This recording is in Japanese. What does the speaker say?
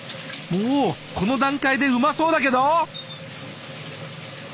もうこの段階でうまそうだけど！